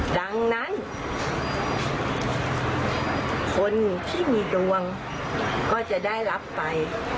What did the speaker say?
ดังนั้นคนที่มีดวงก็จะได้รับไป